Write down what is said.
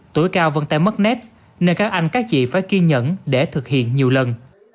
tuổi cao vân tay mất nét nên các anh các chị phải kiên nhẫn để thực hiện nhiều lần